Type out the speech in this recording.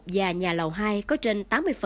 và nhà lầu hai có trên tám mươi